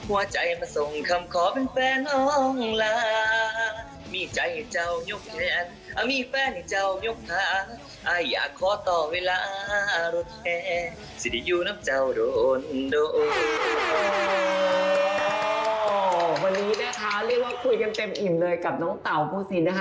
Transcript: วันนี้เราพูดเต็มอิ่มส่วนสำหรับน้องต่อพูดสินรี่